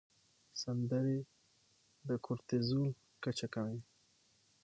سندرې د کورتیزول کچه کموي.